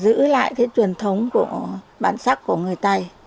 giữ lại cái truyền thống của bản sắc của người tày